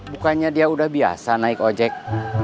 bukannya dia udah biasa naik ojek